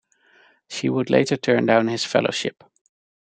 She would later turn down this fellowship.